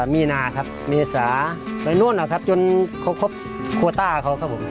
มีนาครับเมษาไปนู่นนะครับจนเขาครบโควต้าเขาครับผม